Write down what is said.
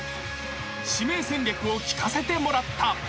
［指名戦略を聞かせてもらった］